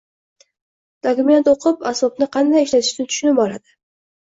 Dokument o’qib, asbobni qanday ishlatishni tushunib oladi